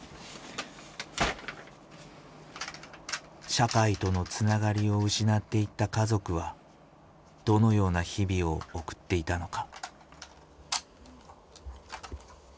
社会とのつながりを失っていった家族はどのような日々を送っていたのか。